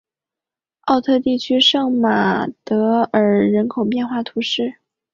奥特地区圣马尔德人口变化图示